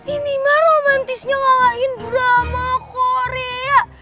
ini mah romantisnya ngalahin drama korea